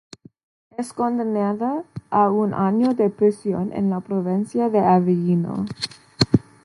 Es condenada a un año de prisión en la provincia de Avellino.